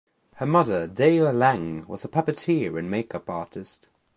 Her mother, Dale Lang, was a puppeteer and make up artist.